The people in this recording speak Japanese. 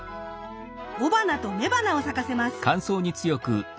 雄花と雌花を咲かせます。